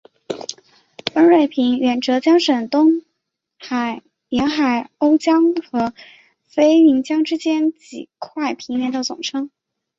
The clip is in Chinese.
温瑞平原是浙江省东南沿海瓯江和飞云江之间几块平原的总称。